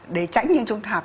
để tránh những trùng thạp